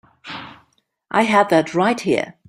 I had that right here.